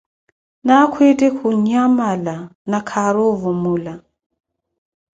Naakhwitti khunyamala, ni khaari ovumula.